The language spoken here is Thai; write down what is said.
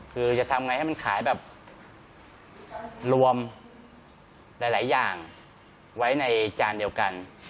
คือจะทำไงให้มันขายแบบรวมหลายอย่างไว้ในจานเดียวกัน